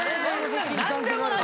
何でもない。